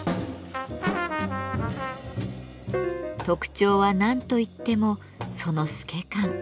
特徴は何と言ってもその透け感。